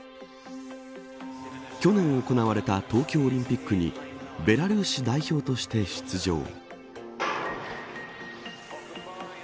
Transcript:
去年行われた東京オリンピックにベラルーシ代表として出場。